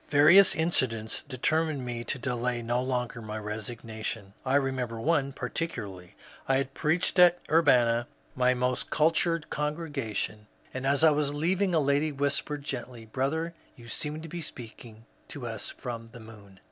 Various incidents determined me to delay no longer my resignation. I remember one particularly. I had preached at Urbanna, my most cultured congregation, and as I was leav ing a lady whispered gently, ^^ Brother, yon seemed to be speaking to us from the moon."